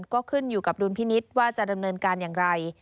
ก็ขึ้นอยู่กับดุลพินิษฐ์ว่าจะดำเนินการอย่างไร